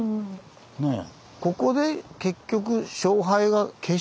ねえ。